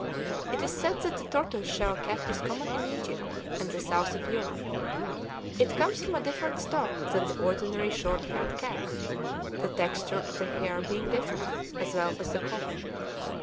It is said that the tortoise shell cat is common in Egypt and the south of Europe. It comes from a different stock than the ordinary short haired cat, the texture of the hair being different, as well as the color.